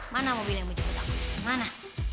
mana mobil yang menjemput aku mana